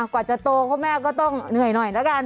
กว่าจะโตห้อแม่ก็ต้องเหนื่อยแล้วกัน